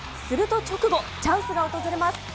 すると直後、チャンスが訪れます。